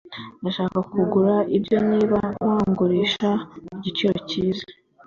Ndashaka kugura ibyo niba wangurisha ku giciro cyiza.